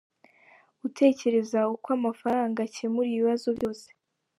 Gutekereza ko amafaranga akemura ibibazo byose.